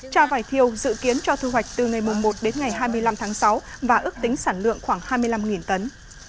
tra vải thiêu dự kiến cho thu hoạch từ ngày một đến ngày hai mươi năm tháng sáu và ước tính sản lượng khoảng hai mươi năm tấn